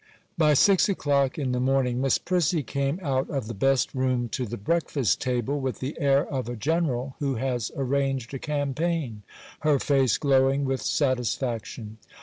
BY six o'clock in the morning, Miss Prissy came out of the best room to the breakfast table, with the air of a general who has arranged a campaign, her face glowing with satisfaction.